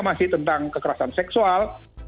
masih tentang kekerasan seksual